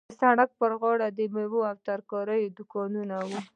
د سړک پر غاړه د میوو او ترکاریو دوکانونه وو.